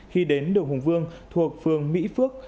khi đến đường hùng vương thuộc phường mỹ phước